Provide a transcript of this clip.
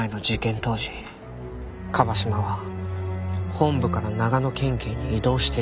当時椛島は本部から長野県警に異動していました。